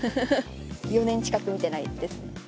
４年近く見てないです。